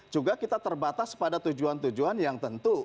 juga kita terbatas pada tujuan tujuan yang tentu